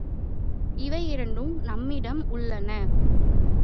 இவையிரண்டும் நம்மிடம் உள்ளன.